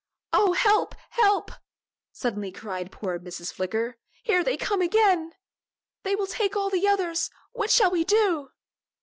"Oh, help! help!" suddenly cried poor Mrs. Flicker, "here they come again! They will take all the others. What shall we do?"